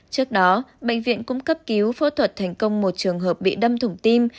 trước đó bệnh viện cũng cấp cứu phẫu thuật thành công một trường hợp bị đâm thủng tim